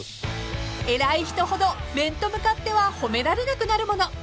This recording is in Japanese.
［偉い人ほど面と向かっては褒められなくなるもの］